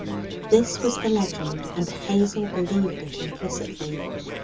This was the legend, and Hazel believed it implicitly.